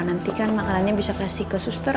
nanti kan makanannya bisa kasih ke suster